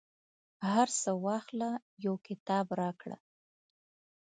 هرڅه واخله، یو کتاب راکړه